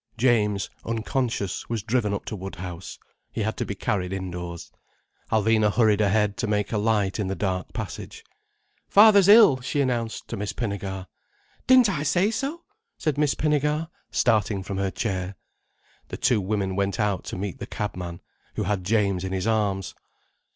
James, unconscious, was driven up to Woodhouse. He had to be carried indoors. Alvina hurried ahead to make a light in the dark passage. "Father's ill!" she announced to Miss Pinnegar. "Didn't I say so!" said Miss Pinnegar, starting from her chair. The two women went out to meet the cab man, who had James in his arms.